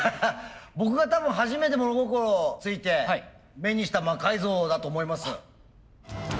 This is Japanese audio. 僕が多分初めて物心ついて目にした魔改造だと思います。